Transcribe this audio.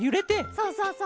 そうそうそう。